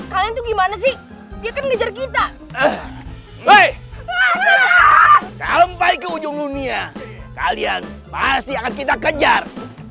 kalian tuh gimana sih dia akan ngejar kita baik sampai ke ujung dunia kalian pasti akan kita kejar